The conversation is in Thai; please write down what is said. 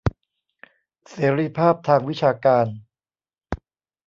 เสรีภาพทางวิชาการ